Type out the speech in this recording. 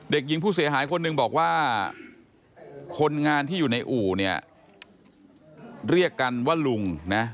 เด็กหญิงผู้เสียหายคนหนึ่งบอกว่าคนงานที่อยู่ในอู่เนี่ยเรียกกันว่าลุงนะ